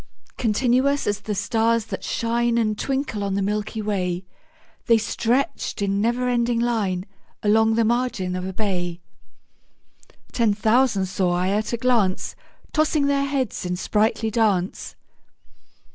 Continuous as the stars that shine And twinkle on the milky way, The stretched in never ending line Along the margin of a bay: Ten thousand saw I at a glance, Tossing their heads in sprightly dance.